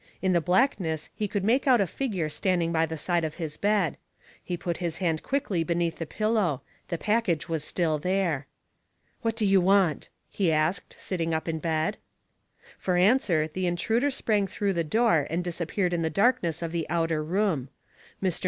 In the blackness he could make out a figure standing by the side of his bed. He put his hand quickly beneath his pillow; the package was still there. "What do you want?" he asked, sitting up in bed. For answer, the intruder sprang through the door and disappeared in the darkness of the outer room. Mr.